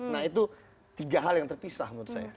nah itu tiga hal yang terpisah menurut saya